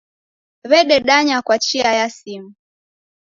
W'ededanya kwa chia ya simu.